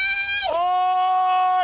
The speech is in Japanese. おい！